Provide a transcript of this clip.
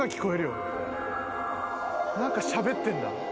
なんかしゃべってんだ？